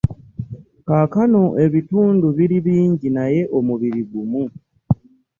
Kaakano ebitundu biri bingi naye omubiri gumu.